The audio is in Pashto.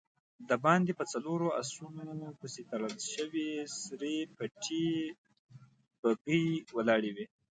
د باندی په څلورو آسونو پسې تړل شوې سر پټې بګۍ ولاړه وه.